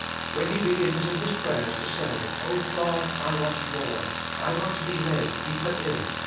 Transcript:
When he begins in his prayers to say, "Oh, God, I want more, I want to be led deeper in.